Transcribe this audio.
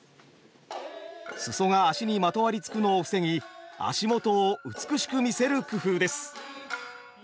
裾が足にまとわりつくのを防ぎ足元を美しく見せる工夫です。